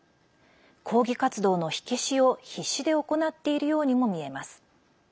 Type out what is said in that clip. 抗議活動の火消しを必死で行っているようにも見えます。